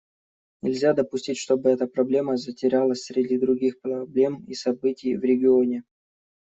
Нельзя допустить, чтобы эта проблема затерялась среди других проблем и событий в регионе.